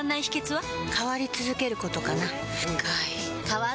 変わり続けることかな。